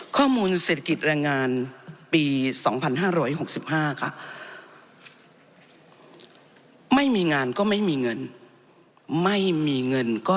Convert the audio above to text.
ข้อมูลเศรษฐกิจแรงงานปี๒๕๖๕ค่ะไม่มีงานก็ไม่มีเงินไม่มีเงินก็